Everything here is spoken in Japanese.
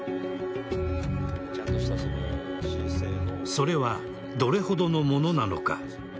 それはどれほどのものなのか。